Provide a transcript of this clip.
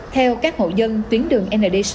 theo các hộ dân tuyến đường nd sáu